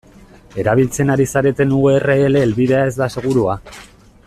Erabiltzen ari zareten u erre ele helbidea ez da segurua.